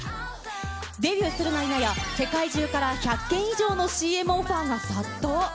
デビューするないなや、世界中から１００件以上のＣＭオファーが殺到。